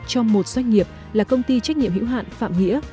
cho một doanh nghiệp là công ty trách nhiệm hữu hạn phạm nghĩa